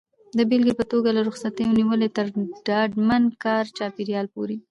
د بېلګې په توګه له رخصتیو نیولې تر ډاډمن کاري چاپېریال پورې.